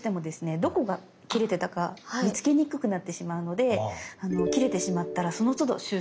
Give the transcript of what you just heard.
どこが切れてたか見つけにくくなってしまうので切れてしまったらそのつど修復しておくといいです。